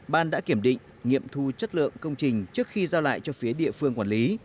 ban đã kiểm định nghiệm thu chất lượng công trình trước khi giao lại cho phía địa phương quản lý